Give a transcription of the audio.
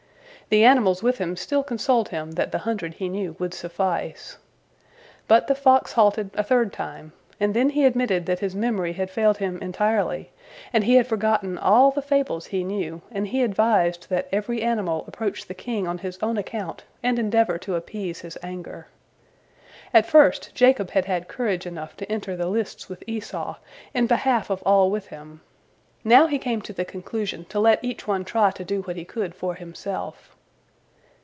The animals with him still consoled him that the hundred he knew would suffice. But the fox halted a third time, and then he admitted that his memory had failed him entirely, and he had forgotten all the fables he knew, and he advised that every animal approach the king on his own account and endeavor to appease his anger. At first Jacob had had courage enough to enter the lists with Esau in behalf of all with him. Now he came to the conclusion to let each one try to do what he could for himself.